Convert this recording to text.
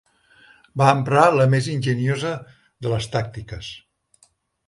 Va emprar la més enginyosa de les tàctiques.